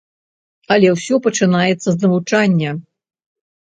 Але ўсё пачынаецца з навучання.